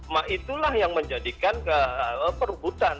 mak itulah yang menjadikan perhubungan